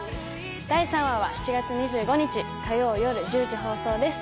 第３話は７月２５日火曜夜１０時放送です